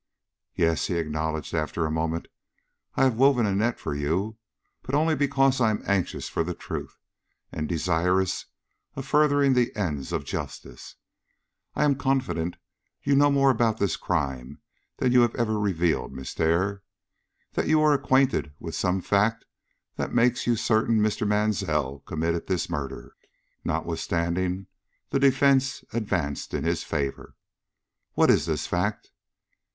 "Yes," he acknowledged, after a moment, "I have woven a net for you, but only because I am anxious for the truth, and desirous of furthering the ends of justice. I am confident you know more about this crime than you have ever revealed, Miss Dare; that you are acquainted with some fact that makes you certain Mr. Mansell committed this murder, notwithstanding the defence advanced in his favor. What is this fact?